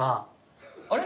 あれ？